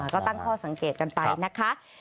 ก็ตั้งข้อสังเกตกันไปนะคะ